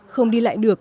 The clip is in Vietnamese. không đi lại được